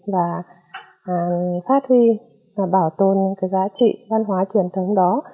và phát huy và bảo tồn những cái giá trị văn hóa truyền thống đó